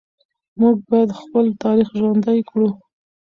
موږ باید خپل تاریخ ژوندي کړو.